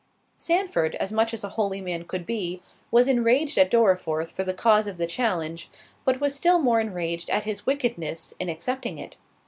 Sandford, as much as a holy man could be, was enraged at Dorriforth for the cause of the challenge, but was still more enraged at his wickedness in accepting it.